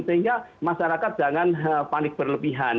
sehingga masyarakat jangan panik berlebihan